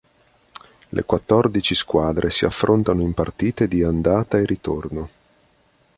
Le quattordici squadre si affrontano in partite di andata e ritorno.